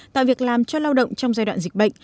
tạo việc làm cho lao động trong giai đoạn dịch bệnh